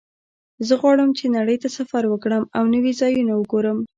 زه غواړم چې نړۍ ته سفر وکړم او نوي ځایونه وګورم